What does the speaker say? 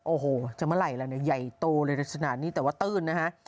โอ้โหจะเมื่อไหร่แล้วเนี่ยใหญ่โตเลยขนาดนี้แต่ว่าตื้นนะฮะ